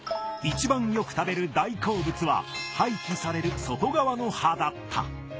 一番よく食べる大好物は廃棄される外側の葉だった。